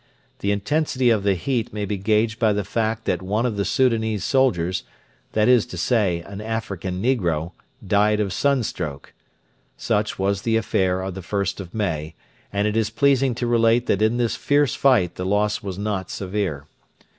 The intensity of the heat may be gauged by the fact that one of the Soudanese soldiers that is to say, an African negro died of sunstroke. Such was the affair of the 1st of May, and it is pleasing to relate that in this fierce fight the loss was not severe.